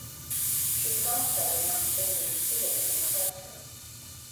She was also an outstanding student in the classroom.